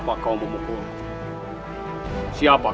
aku pukul dia